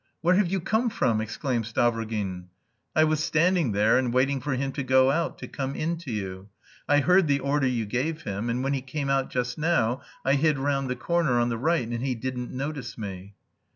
"Where have you come from?" exclaimed Stavrogin. "I was standing there, and waiting for him to go out, to come in to you. I heard the order you gave him, and when he came out just now I hid round the corner, on the right, and he didn't notice me."